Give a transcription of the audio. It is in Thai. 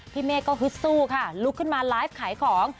เมฆก็ฮึดสู้ค่ะลุกขึ้นมาไลฟ์ขายของ